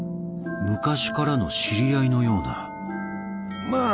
昔からの知り合いのようなまあ